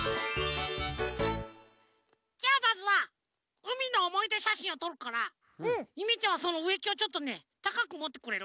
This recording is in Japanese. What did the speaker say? じゃあまずはうみのおもいでしゃしんをとるからゆめちゃんはそのうえきをちょっとねたかくもってくれる？